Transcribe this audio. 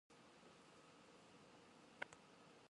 カレンダーに予定を書き込む。